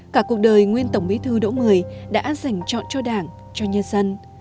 cả cuộc đời nguyên tổng bí thư đỗ mười đã dành chọn cho đảng cho nhân dân